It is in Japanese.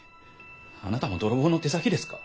あなたも泥棒の手先ですか？